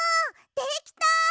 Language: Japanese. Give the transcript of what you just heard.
できた！